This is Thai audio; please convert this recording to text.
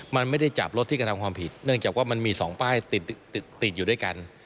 มันไม่ได้จับรถที่กระทำความผิดเนื่องจากว่ามันมี๒ป้ายติดติดอยู่ด้วยกัน